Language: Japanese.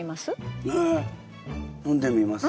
え飲んでみます。